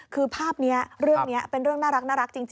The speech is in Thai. คือภาพนี้เรื่องนี้เป็นเรื่องน่ารักจริง